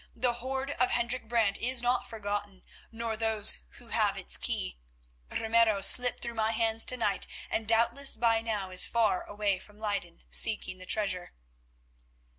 The hoard of Hendrik Brant is not forgotten, nor those who have its key. Ramiro slipped through my hands to night, and doubtless by now is far away from Leyden seeking the treasure."